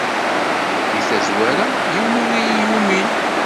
Deg tazwara, yiwen ur iyi-yumin.